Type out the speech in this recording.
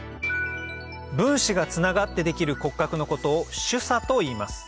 分子がつながってできる骨格のことを主鎖といいます